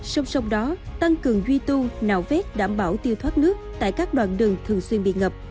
song song đó tăng cường duy tu nạo vét đảm bảo tiêu thoát nước tại các đoạn đường thường xuyên bị ngập